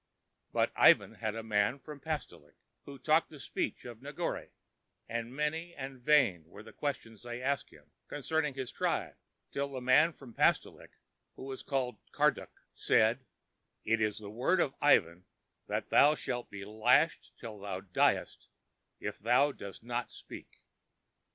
But Ivan had with him a man from Pastolik who talked the speech of Negore, and many and vain were the questions they asked him concerning his tribe, till the man from Pastolik, who was called Karduk, said: "It is the word of Ivan that thou shalt be lashed till thou diest if thou dost not speak.